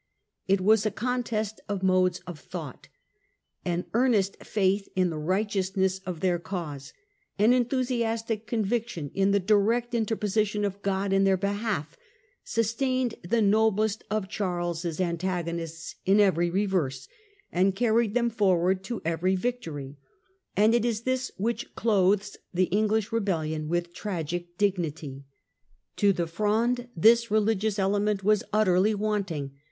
It was a contest of modes of thought An earnest faith in the righteousness of their cause, an enthusiastic conviction in the direct interposition of God in their behalf, sustained the noblest of Charles's antago nists in every reverse, and carried them forward to every victory ; and it is this which clothes the English rebellion with tragic dignity. To the Fronde this religious element was utterly wanting.